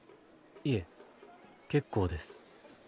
いえ結構です。